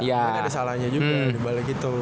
ada salahnya juga di balik itu